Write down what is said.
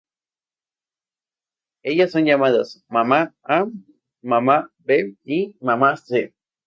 Ellas son llamadas "Mamá A", "Mamá B", y "Mamá C".